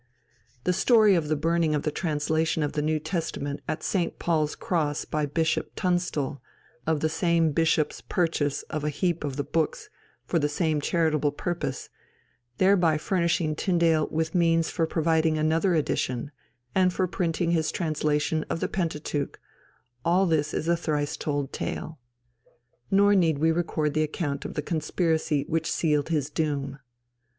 The story of the burning of the translation of the New Testament at St. Paul's Cross by Bishop Tunstall, of the same bishop's purchase of a "heap of the books" for the same charitable purpose, thereby furnishing Tyndale with means for providing another edition and for printing his translation of the Pentateuch, all this is a thrice told tale. Nor need we record the account of the conspiracy which sealed his doom.